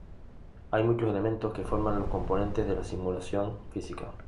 Hay muchos elementos que forman los componentes de la simulación física.